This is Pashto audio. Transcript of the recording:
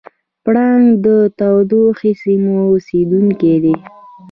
پړانګ د تودو سیمو اوسېدونکی دی.